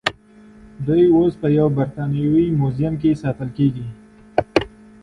They are now kept at the British Museum.